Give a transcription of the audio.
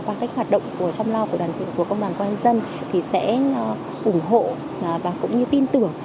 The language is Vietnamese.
qua cách hoạt động trong lao của công an nhân dân sẽ ủng hộ và cũng như tin tưởng